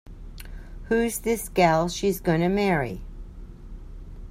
Who's this gal she's gonna marry?